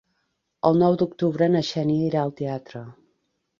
El nou d'octubre na Xènia irà al teatre.